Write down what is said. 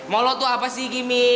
mau lo tuh apa sih kimi